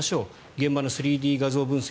現場の３Ｄ画像分析。